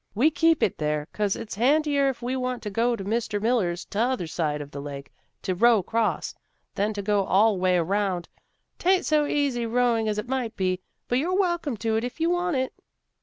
We keep it there, 'cause it's handier if we want to go to Mr. Miller's, t'other side of the lake, to row across, than to go" all the way 'round. 'Tain't so easy rowing as it might be, but you're welcome to it if you want it."